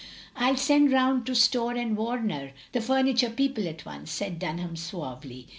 I '11 send round to Storr & Warner, the furniture people, at once," said Dunham, suavely.